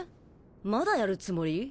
まだやるつもり？